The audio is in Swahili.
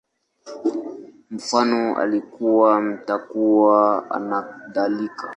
Mfano, Alikuwa, Atakuwa, nakadhalika